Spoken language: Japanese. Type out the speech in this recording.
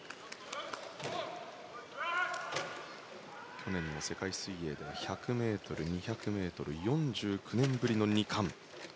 去年の世界水泳１００ｍ、２００ｍで４９年ぶりの２冠。